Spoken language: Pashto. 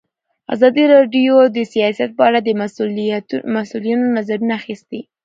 ازادي راډیو د سیاست په اړه د مسؤلینو نظرونه اخیستي.